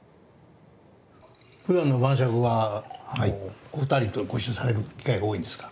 ふだんの晩酌はお二人とご一緒される機会が多いんですか？